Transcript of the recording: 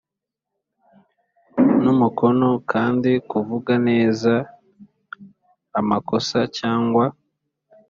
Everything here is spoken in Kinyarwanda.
N umukono kandi kuvuga neza amakosa cyangwa